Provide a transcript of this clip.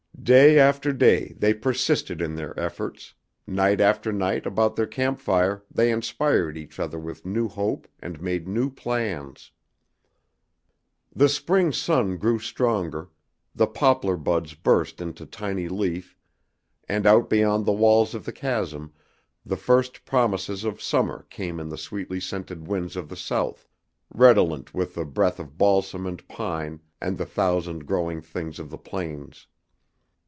Day after day they persisted in their efforts; night after night about their camp fire they inspired each other with new hope and made new plans. The spring sun grew stronger, the poplar buds burst into tiny leaf and out beyond the walls of the chasm the first promises of summer came in the sweetly scented winds of the south, redolent with the breath of balsam and pine and the thousand growing things of the plains.